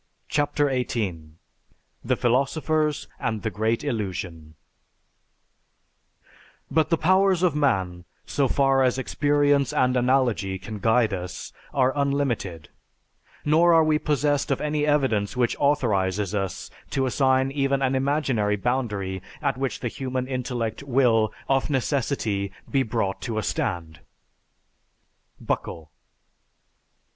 CHAPTER XVIII THE PHILOSOPHERS AND THE GREAT ILLUSION _But the powers of man, so far as experience and analogy can guide us, are unlimited; nor are we possessed of any evidence which authorizes us to assign even an imaginary boundary at which the human intellect will, of necessity, be brought to a stand._ BUCKLE.